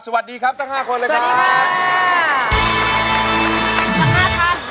สวัสดีครับทั้งห้าคนเลยครับสวัสดีค่ะ